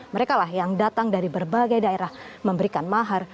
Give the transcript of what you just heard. mereka lah yang datang dari berbagai daerah memberikan mahar